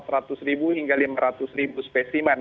empat ratus ribu hingga lima ratus ribu spesimen